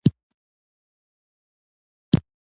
د میدان وردګو په سید اباد کې څه شی شته؟